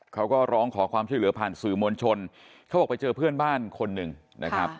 เขาก็ร้องขอความช่วยเหลือผ่านสื่อมวลชนเขาบอกไปเจอเพื่อนบ้านคนหนึ่งนะครับ